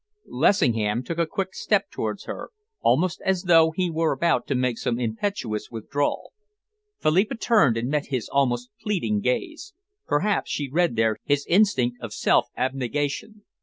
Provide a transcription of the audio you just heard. Lessingham took a quick step towards her, almost as though he were about to make some impetuous withdrawal. Philippa turned and met his almost pleading gaze. Perhaps she read there his instinct of self abnegation.